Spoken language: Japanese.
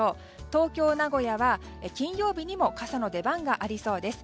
東京、名古屋は金曜日にも傘の出番がありそうです。